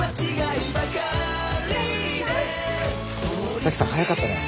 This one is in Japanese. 沙樹さん早かったね。